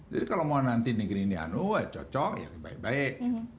kalau mau nanti negeri ini anu cocok ya baik baik